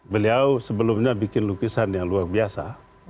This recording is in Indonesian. beliau sebelumnya bikin lukisan yang luar biasa